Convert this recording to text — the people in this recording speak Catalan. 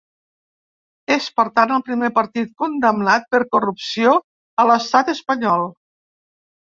És per tant el primer partit condemnat per corrupció a l’estat espanyol.